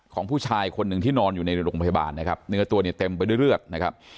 ของผู้ชายคนหนึ่งที่นอนอยู่ในโรงพยาบาลนะครับเนื้อตัวเนี่ยเต็มไปด้วยเลือดนะครับ